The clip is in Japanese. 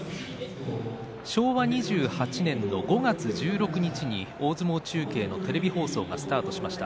昭和２８年の５月１６日に大相撲中継のテレビ放送がスタートしました。